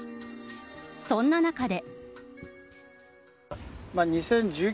そんな中で。